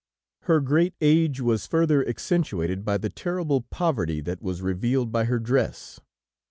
Her great age was further accentuated by the terrible poverty that was revealed by her dress.